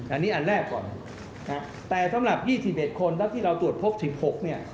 อันนี้อันแรกก่อนแต่สำหรับ๒๑คนแล้วที่เราตรวจพบ๑๖เนี่ย